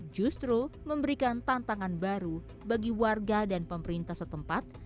justru memberikan tantangan baru bagi warga dan pemerintah setempat